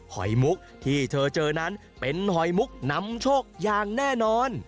หอยมุกที่เธอเจอนั้นเป็นหอยมุกนำโชคอย่างแน่นอน